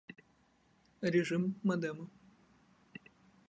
Режим модема